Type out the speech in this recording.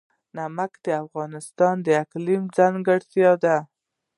نمک د افغانستان د اقلیم ځانګړتیا ده.